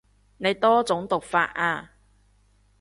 你多種讀法啊